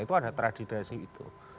itu ada tradisi itu